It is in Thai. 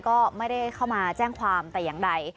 ก็ไม่ได้เข้ามาแจ้งความแต่อย่างใด